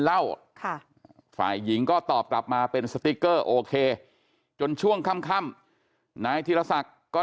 เล่าค่ะฝ่ายหญิงก็ตอบกลับมาเป็นสติ๊กเกอร์โอเคจนช่วงค่ำนายธีรศักดิ์ก็